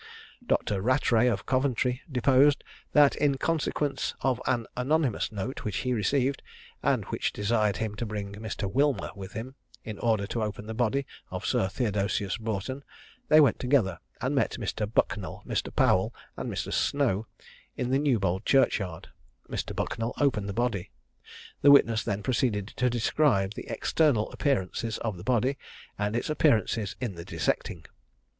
Dr. Rattray, of Coventry, deposed, that in consequence of an anonymous note which he received, and which desired him to bring Mr. Wilmer with him, in order to open the body of Sir Theodosius Boughton, they went together, and met Mr. Bucknell, Mr. Powell, and Mr. Snow, in Newbold churchyard. Mr. Bucknell opened the body. The witness then proceeded to describe the external appearances of the body, and its appearances in the dissecting.